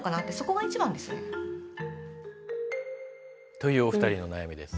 というお二人の悩みです。